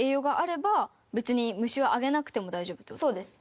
そうです。